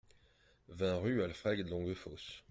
vingt rue Alfred Longuefosse